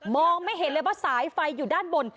ไม่เห็นเลยว่าสายไฟอยู่ด้านบน